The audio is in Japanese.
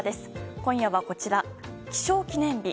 今夜はこちら、気象記念日。